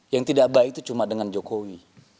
yang tidak baik itu cuma dengan jokowi